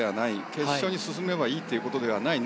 決勝に進めばいいということではない。